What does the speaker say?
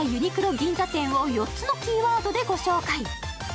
銀座店を４つのキーワードでご紹介。